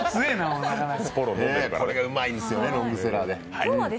これがうまいんですよね、ロングセラーで。